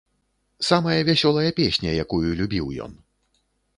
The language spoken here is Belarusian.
Самая вясёлая песня, якую любіў ён.